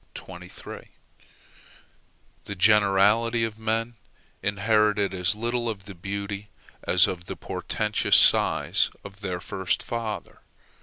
The generality of men inherited as little of the beauty as of the portentous size of their first father.